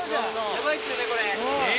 やばいっすよね、これ。